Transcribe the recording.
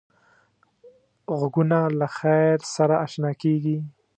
غوږونه له خیر سره اشنا کېږي